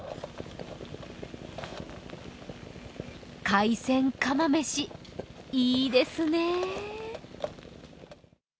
海鮮釜飯、いいですね。